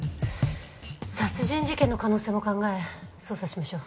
殺人事件の可能性も考え捜査しましょう。